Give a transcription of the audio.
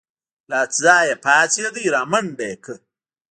له ځايه پاڅېد رامنډه يې کړه.